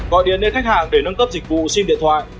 gọi điện đến khách hàng để nâng cấp dịch vụ sim điện thoại